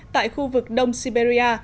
tại khu vực đông siberia